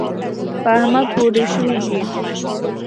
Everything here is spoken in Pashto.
په احمد کوډي شوي دي .